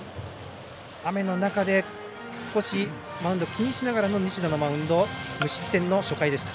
雨の中で少しマウンドを気にしながらの西田のマウンド無失点の初回でした。